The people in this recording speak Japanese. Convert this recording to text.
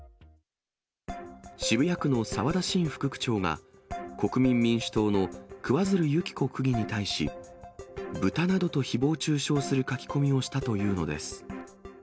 渋谷区の澤田伸副区長が、国民民主党の桑水流弓紀子区議に対し、ブタなどとひぼう中傷する書き込みをしたというのです。